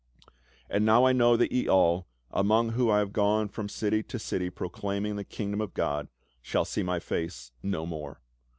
"And now I know that ye all, among whom I have gone from city to city proclaiming the kingdom of God, shall see my face no more.